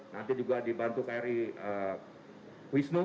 nanti juga dibantu kri wisnu